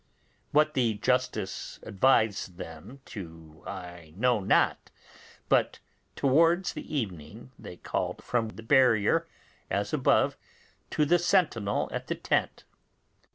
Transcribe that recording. What the justice advised them to I know not, but towards the evening they called from the barrier, as above, to the sentinel at the tent.